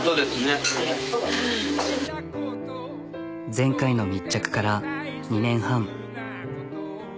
前回の密着から２年半。